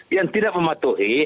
yang tidak mematuhi